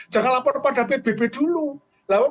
jangan lapor kepada pbb dulu